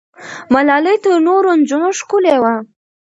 ملالۍ تر نورو نجونو ښکلې وه.